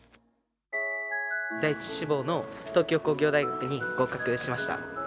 第１志望の東京工業大学に合格しました。